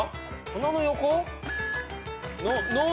鼻の横？